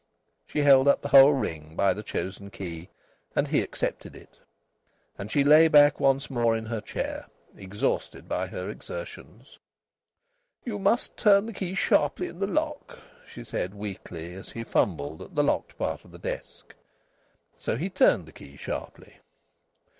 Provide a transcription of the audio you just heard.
She held up the whole ring by the chosen key, and he accepted it. And she lay back once more in her chair, exhausted by her exertions. "You must turn the key sharply in the lock," she said weakly, as he fumbled at the locked part of the desk. So he turned the key sharply.